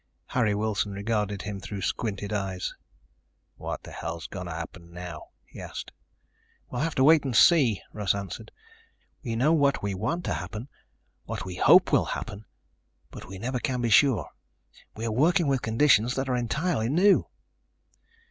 Harry Wilson regarded him through squinted eyes. "What the hell is going to happen now?" he asked. "We'll have to wait and see," Russ answered. "We know what we want to happen, what we hope will happen, but we never can be sure. We are working with conditions that are entirely new."